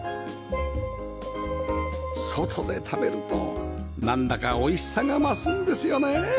外で食べるとなんだかおいしさが増すんですよね！